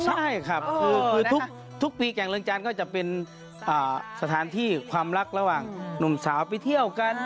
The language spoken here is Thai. ใช่ครับคือทุกปีแก่งเรืองจันทร์ก็จะเป็นสถานที่ความรักระหว่างหนุ่มสาวไปเที่ยวกัน